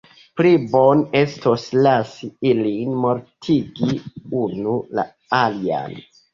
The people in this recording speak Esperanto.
Pli bone estos lasi ilin mortigi unu la alian.